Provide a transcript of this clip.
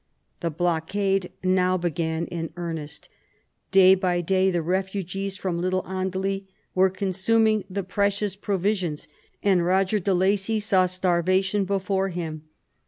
The blockade now began in earnest. Day by day the refugees from Little Andely were consuming the precious provisions, and Eoger de Lacy saw starvation before him.